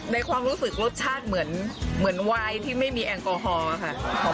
ความรู้สึกรสชาติเหมือนวายที่ไม่มีแอลกอฮอล์ค่ะ